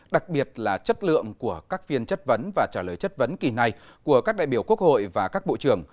đặc biệt là chất lượng của các phiên chất vấn và trả lời chất vấn kỳ này của các đại biểu quốc hội và các bộ trưởng